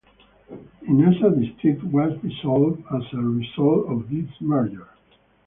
Inasa District was dissolved as a result of this merger.